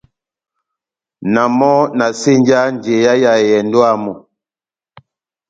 Na mɔ na senjaha njeya ya ehɛndɔ yámu.